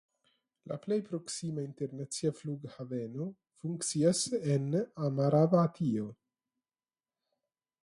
La plej proksima internacia flughaveno funkcias en Amaravatio.